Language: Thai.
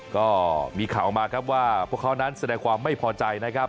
ก็มีข่าวออกมาครับว่าพวกเขานั้นแสดงความไม่พอใจนะครับ